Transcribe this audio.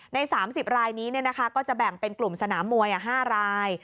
ใน๓๐รายนี้ก็จะแบ่งเป็นกลุ่มสนามมวย๕ราย